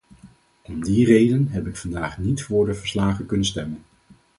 Om die redenen heb ik vandaag niet voor de verslagen kunnen stemmen.